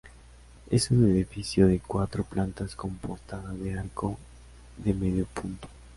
Es un edificio de cuatro plantas con portada de arco de medio punto.